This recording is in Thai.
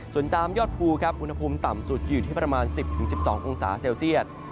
ส่วนตามยอดภูครับอุณหภูมิต่ำสุดอยู่ที่ประมาณ๑๐๑๒องศาเซลเซียต